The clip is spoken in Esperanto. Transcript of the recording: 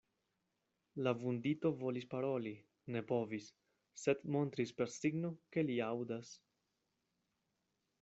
La vundito volis paroli, ne povis, sed montris per signo, ke li aŭdas.